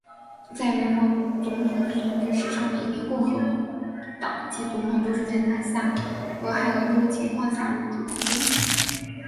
在美国总统选举史上每一名共和党籍总统都是在拿下俄亥俄州的情况下入主白宫。